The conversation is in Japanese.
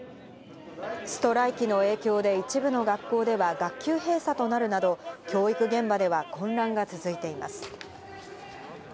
ストライキの影響で一部の学校では学級閉鎖となるなど教育現場では混乱が続いています。